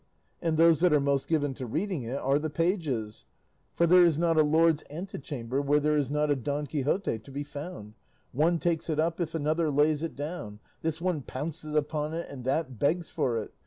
And those that are most given to reading it are the pages, for there is not a lord's ante chamber where there is not a 'Don Quixote' to be found; one takes it up if another lays it down; this one pounces upon it, and that begs for it.